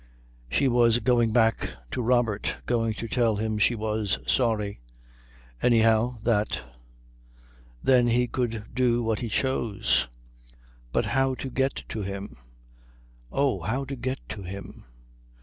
She was going back to Robert, going to tell him she was sorry. Anyhow that. Then he could do what he chose. But how to get to him? Oh, how to get to him?